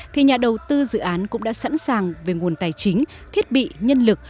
thì nhà đầu tư dự án cũng đã sẵn sàng về nguồn tài chính thiết bị nhân lực